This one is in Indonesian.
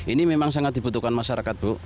ini memang sangat dibutuhkan masyarakat bu